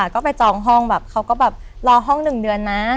ก็ไปจองห้องเขาก็รอห้องหนึ่งเดือนนะ